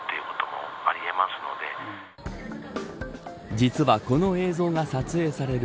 実はこの映像が撮影される